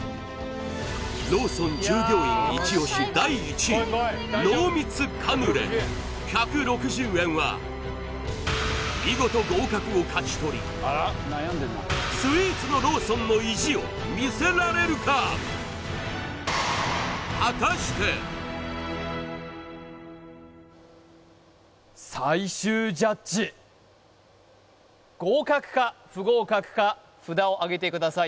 ローソン従業員イチ押し第１位濃密カヌレ１６０円は見事合格を勝ち取りスイーツのローソンの意地を見せられるか最終ジャッジ合格か不合格か札をあげてください